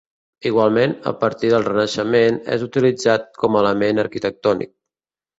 Igualment, a partir del Renaixement, és utilitzat com a element arquitectònic.